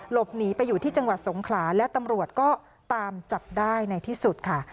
หลบหนีไปอยู่ที่จังหวัดสงขลาและตำรวจก็ตามจับได้ในที่สุดค่ะ